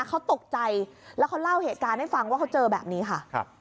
เขาตกใจแล้วเขาเล่าเหตุการณ์ให้ฟังว่าเขาเจอแบบนี้ค่ะ